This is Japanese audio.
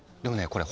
これ